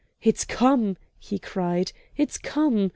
"It's come!" he cried "it's come!